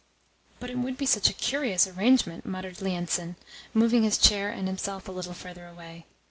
"But it would be such a curious arrangement," muttered Lienitsin, moving his chair and himself a little further away.